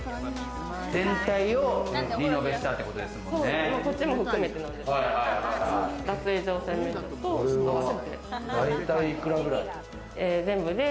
全体をリノベしたってことですもんね。